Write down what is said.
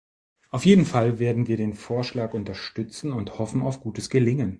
Auf jeden Fall werden wir den Vorschlag unterstützen und hoffen auf gutes Gelingen.